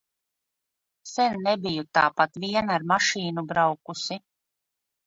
Sen nebiju tāpat vien ar mašīnu braukusi.